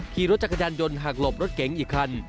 ขี่รถจักรยานยนต์หักหลบรถเก๋งอีกคัน